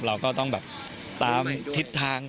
เราก็ต้องแบบตามทิศทาง